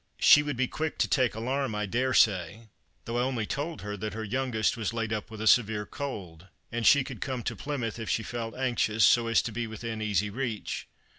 She would be quick to take alarm, I dare say — though I only told her that her youngest was laid up with a severe cold, and she could come to Plymouth if she felt anxious, so as to be within easy reach.